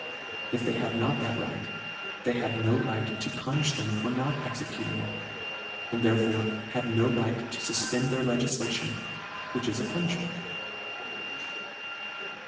— If they had not that right, they had no right to punifh them for not executing it; and there fore had no right to fufpend their legiflation, which is a puniihment.